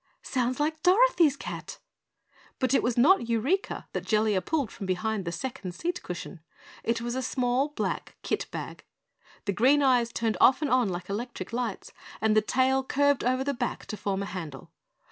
"Sounds like Dorothy's cat." But it was not Eureka that Jellia pulled from behind the second seat cushion. It was a small, black kit bag. The green eyes turned off and on like electric lights, and the tail curved over the back to form a handle.